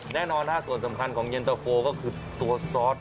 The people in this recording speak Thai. แน่นอนฮะส่วนสำคัญของเย็นตะโฟก็คือตัวซอส